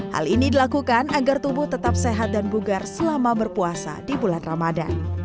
hal ini dilakukan agar tubuh tetap sehat dan bugar selama berpuasa di bulan ramadan